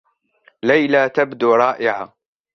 ليلى تبدو رائعة.